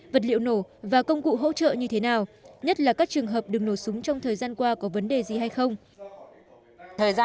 vật liệu nổ và công cụ hỗ trợ như thế nào nhất là các trường hợp đừng nổ súng trong thời gian qua có vấn đề gì hay không